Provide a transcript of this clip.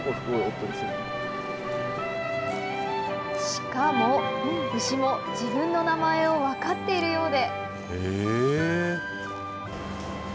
しかも、牛も自分の名前を分かっているようで。